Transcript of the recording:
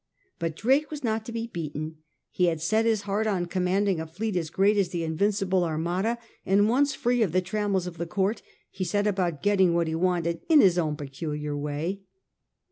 But Drake was not to be beaten. He had set his heart on commanding a fleet as great as the Invincible Armada, and once free of the trammels of the Court he set about getting what he wanted in his own peculiar way.